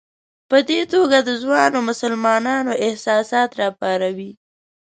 په دې توګه د ځوانو مسلمانانو احساسات راپاروي.